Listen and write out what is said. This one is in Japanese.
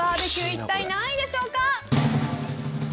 一体何位でしょうか。